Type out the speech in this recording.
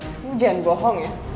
kamu jangan bohong ya